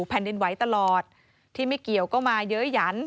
แผ่นดินไหวตลอดที่ไม่เกี่ยวก็มาเยอะหยัน